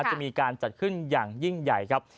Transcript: จะมีการจัดขึ้นอย่างยิ่งใหญ่ครับ